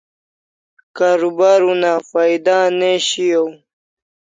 Karubar una phaida ne shiau